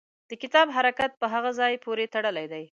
د کتاب حرکت په هغه ځای پورې تړلی دی.